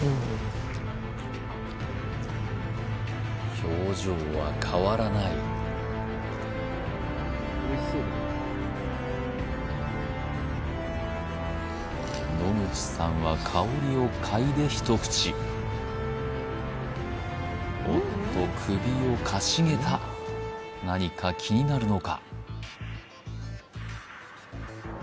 表情は変わらない野口さんは香りをかいで一口おっと首をかしげた何か気になるのか？